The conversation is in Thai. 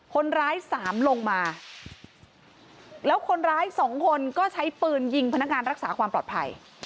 คนร้ายสามลงมาแล้วคนร้ายสองคนก็ใช้ปืนยิงพนักงานรักษาความปลอดภัย